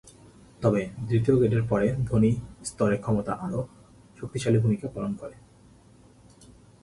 তবে, দ্বিতীয় গ্রেডের পরে, ধ্বনি-স্তরের ক্ষমতা আরও শক্তিশালী ভূমিকা পালন করে।